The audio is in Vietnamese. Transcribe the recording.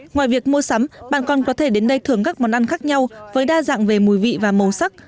ngoài việc mua sắm bạn còn có thể đến đây thưởng các món ăn khác nhau với đa dạng về mùi vị và màu sắc